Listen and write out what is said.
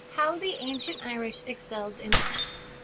HOW THE ANCIENT IRISH EXCELLED IN ART.